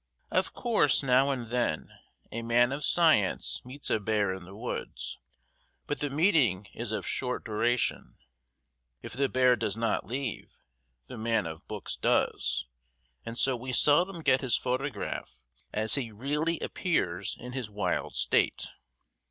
Of course, now and then, a man of science meets a bear in the woods, but the meeting is of short duration. If the bear does not leave, the man of books does, and so we seldom get his photograph as he really appears in his wild state.